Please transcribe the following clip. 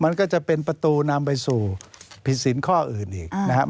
มันก็จะเป็นประตูนำไปสู่ผิดสินข้ออื่นอีกนะครับ